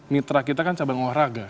mitra kita kan cabang olahraga